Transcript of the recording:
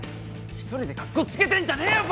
一人でカッコつけてんじゃねえよ